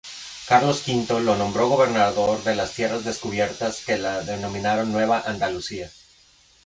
Carlos V lo nombró gobernador de las tierras descubiertas que las denominaron Nueva Andalucía.